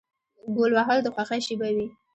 ګول وهل د خوښۍ شیبه وي.